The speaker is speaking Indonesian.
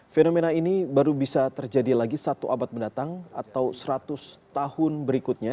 fenomena ini baru bisa terjadi lagi satu abad mendatang atau seratus tahun berikutnya